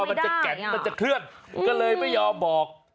กลัวมันจะแกะมันจะเคลือกก็เลยไม่ยอมบอก